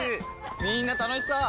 みんな楽しそう！